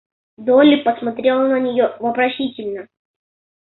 Долли посмотрела на нее вопросительно.